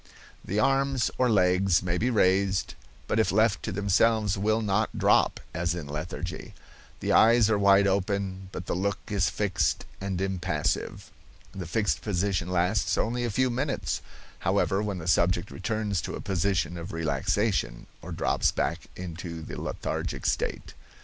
The arms or legs may be raised, but if left to themselves will not drop, as in lethargy. The eyes are wide open, but the look is fixed and impassive. The fixed position lasts only a few minutes, however, when the subject returns to a position of relaxation, or drops back into the lethargic state.